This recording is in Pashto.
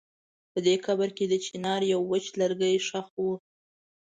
په دې قبر کې د چنار يو وچ لرګی ښخ و.